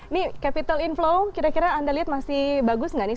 ini capital inflow kira kira anda lihat masih bagus nggak nih